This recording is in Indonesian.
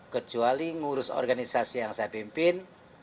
kecuali ngurus organisasi yang saya pimpin